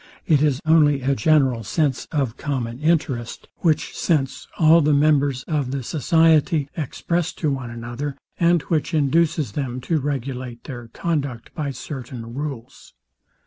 It is only a general sense of common interest; which sense all the members of the society express to one another, and which induces them to regulate their conduct by certain rules.